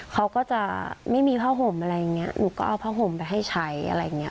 เขาก็จะไม่มีผ้าห่มอะไรอย่างนี้หนูก็เอาผ้าห่มไปให้ใช้อะไรอย่างเงี้